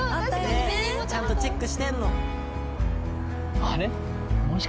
ちゃんとチェックしてるの。